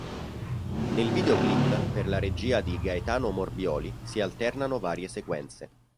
Nel videoclip, per la regia di Gaetano Morbioli, si alternano varie sequenze.